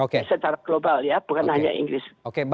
di setara global ya bukan hanya inggris